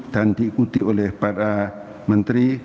dan diikuti oleh para menteri